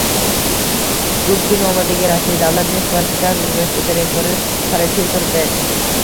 Gubkin nomidagi Rossiya davlat neft va gaz universiteti rektori, professor V